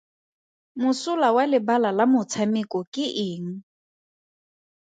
Mosola wa lebala la motshameko ke eng?